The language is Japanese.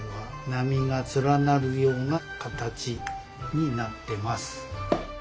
波が連なるような形になってます。